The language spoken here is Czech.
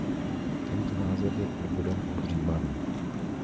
Tento název je původem od Římanů.